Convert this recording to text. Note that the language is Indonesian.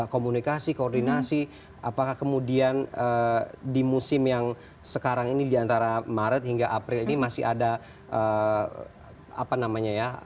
komunikasi koordinasi apakah kemudian di musim yang sekarang ini di antara maret hingga april ini masih ada apa namanya ya